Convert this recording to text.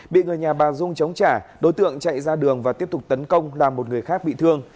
bị người nhà bà dung chống trả đối tượng chạy ra đường và tiếp tục tấn công làm một người khác bị thương